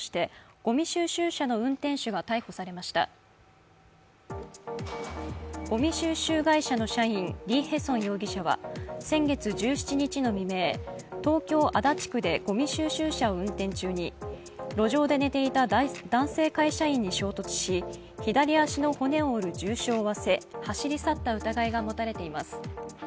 ごみ収集会社の社員、李海成容疑者は先月１７日の未明、東京・足立区でごみ収集車を運転中に路上で寝ていた男性会社員に衝突し、左足の骨を折る重傷を負わせ、走り去った疑いが持たれています。